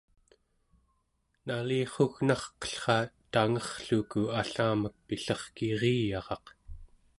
nalirrugnarqellra tangerrluku allamek pillerkiriyaraq